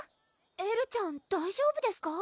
エルちゃん大丈夫ですか？